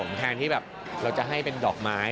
ผมแทนที่แบบเราจะให้เป็นดอกไม้